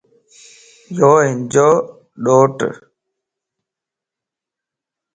يو ھنجو ڏوٽ